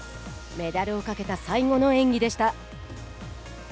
メダルをかけた最後の演技でした。